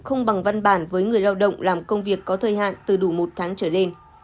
không bằng văn bản với người lao động làm công việc có thời hạn từ đủ một tháng trở lên